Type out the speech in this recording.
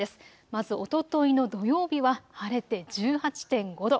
まずおとといの土曜日は晴れて１８．５度。